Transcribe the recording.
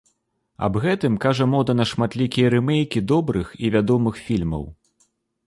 Аб гэтым кажа мода на шматлікія рымейкі добрых і вядомых фільмаў.